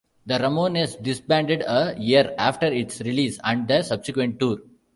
The Ramones disbanded a year after its release and the subsequent tour.